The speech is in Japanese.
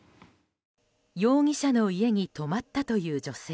容疑者の家に泊まったという女性。